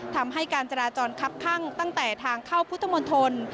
ทำให้การจราจรคับข้างตั้งแต่ทางเข้าพุทธมนตร